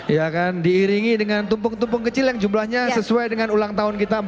ya kan diiringi dengan tumpeng tumpeng kecil yang jumlahnya sesuai dengan ulang tahun kita empat puluh tujuh